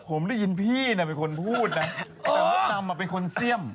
ผมได้ยินพี่น่ะเป็นคนพูดนะแต่มดดำเป็นคนเสี่ยม